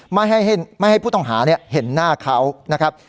ไม่ให้ผู้ต้องหาเห็นหน้าเขานะครับ